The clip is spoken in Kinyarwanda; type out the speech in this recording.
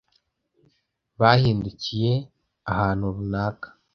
bahindukiye ahantu runaka